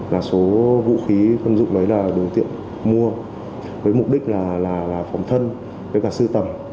là số vũ khí quân dụng đấy là đối tượng mua với mục đích là phòng thân với cả sưu tầm